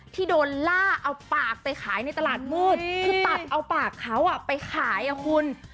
ที่โดนล่าเอาปากไปขายในตลาดมืดคือตัดเอาปากเขาไปขายอ่ะคุณ